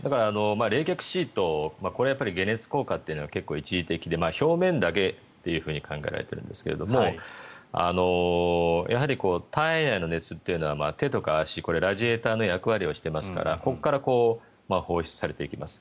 冷却シート解熱効果というのが結構一時的で、表面だけと考えられているんですけどもやはり、体内の熱というのは手とか足ラジエーターの役割をしていますからここから放出されていきます。